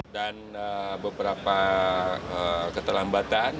dan beberapa ketelambatan